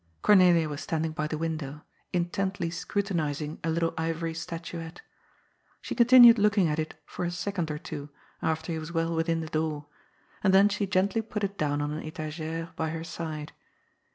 Cornelia was standing by the window, intently scrutinizing a little ivory statuette. She continued looking at it for a second or two, after he was well within the door, and then she gently put it down on an 6tag6re by her side.